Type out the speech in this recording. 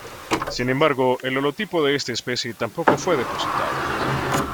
Sin embargo, el holotipo de esta especie tampoco fue depositado.